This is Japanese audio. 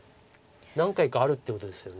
何回かあるってことですよね。